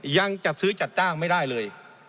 ยังจัดซื้อจัดจ้างไม่ได้เลย